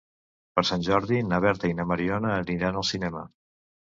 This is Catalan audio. Per Sant Jordi na Berta i na Mariona aniran al cinema.